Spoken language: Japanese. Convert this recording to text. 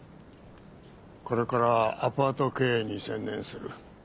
これからアパート経営に専念する。